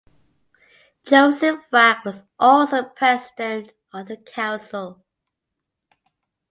Joseph Wragg was also President of the council.